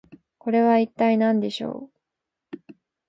これは一体何でしょうか？